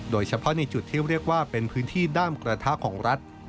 โดยเฉพาะในจุดที่เรียกว่าเป็นพื้นที่ด้ามกระทะของรัฐ